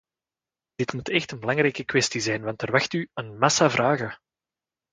Dit moet echt een belangrijke kwestie zijn want er wacht u een massa vragen.